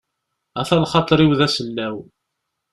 Ata lxaṭer-iw d asellaw.